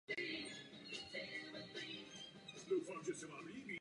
Představuje jej herec Peter Williams.